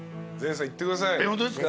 善さんいってください。